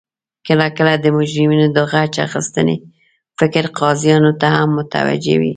کله کله د مجرمینو د غچ اخستنې فکر قاضیانو ته هم متوجه وي